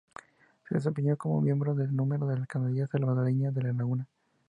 Se desempeñó como Miembro de número de la Academia Salvadoreña de la Lengua.